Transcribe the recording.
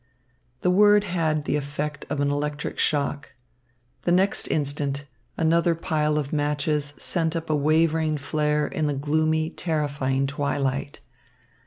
The word had the effect of an electric shock. The next instant another pile of matches sent up a wavering flare in the gloomy, terrifying twilight.